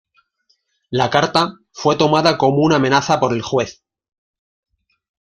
La carta fue tomada como una amenaza por el juez.